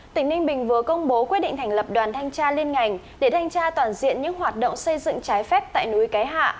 tỉnh ninh bình vừa công bố quyết định thành lập đoàn thanh tra liên ngành để thanh tra toàn diện những hoạt động xây dựng trái phép tại núi cái hạ